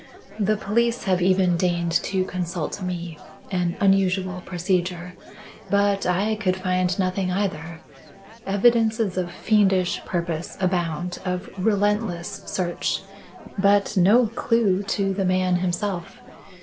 The police have even deigned to consult me, an unusual procedure but I could find nothing, either. Evidences of fiendish purpose abound of relentless search but no clue to the man himself.